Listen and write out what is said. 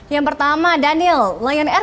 yang pertama daniel lion air